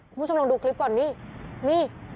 คุณผู้ชมลองดูคลิปก่อนนี่นี่